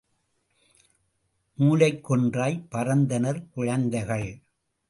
மூலைக் கொன்றாய் பறந்தனர் குழந்தைகள்.